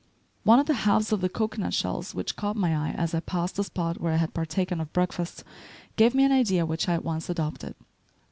One of the halves of the cocoanut shells which caught my eye as I passed the spot where I had partaken of breakfast, gave me an idea which I at once adopted.